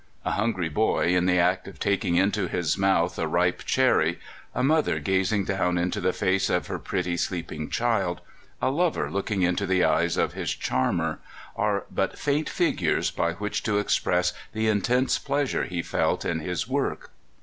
A hungry boy in the act of taking into his mouth a ripe cherry, a mother gazing down into the face of her pretty sleeping child, a lover looking into the eyes of his charmer, are but faint figures by which to express the intense pleasure he felt in his work.